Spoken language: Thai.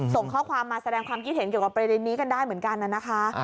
ส่งข้อความมาแสดงความคิดเห็นเกี่ยวกับประเด็นนี้กันได้เหมือนกันนะคะ